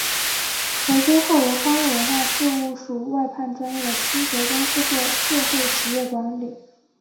回归后由康乐文化事务署外判专业的清洁公司或社会企业管理。